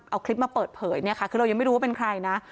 เอาคลิปมาเปิดเผยเนี่ยค่ะคือเรายังไม่รู้ว่าเป็นใครนะ